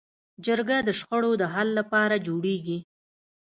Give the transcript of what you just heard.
جرګه د شخړو د حل لپاره جوړېږي